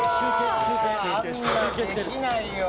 「あんなのできないよ」